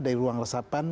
dari ruang resapan